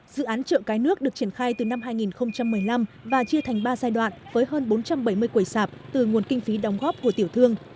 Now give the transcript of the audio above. dự án chợ cái nước được triển khai từ năm hai nghìn một mươi năm và chia thành ba giai đoạn với hơn bốn trăm bảy mươi quầy sạp từ nguồn kinh phí đóng góp của tiểu thương